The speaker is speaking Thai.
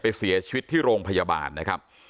เสียชีวิตที่โรงพยาบาลนะครับ